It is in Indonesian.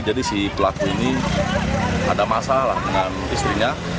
jadi si pelaku ini ada masalah dengan istrinya